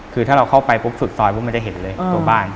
คือถ้าเราเข้าไปปุ๊บสุดซอยปุ๊บมันจะเห็นเลยตัวบ้าน